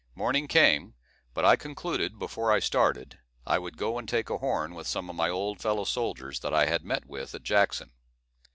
Morning came, but I concluded, before I started, I would go and take a horn with some of my old fellow soldiers that I had met with at Jackson.